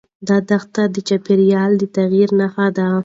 دا دښتې د چاپېریال د تغیر نښه ده.